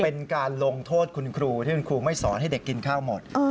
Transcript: เป็นการลงโทษคุณครูที่คุณครูไม่สอนให้เด็กกินข้าวหมด